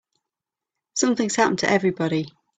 Something's happened to everybody.